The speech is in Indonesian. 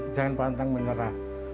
jangan pantang menerah